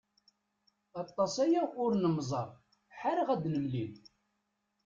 Aṭas aya ur nemẓer, ḥareɣ ad nemlil.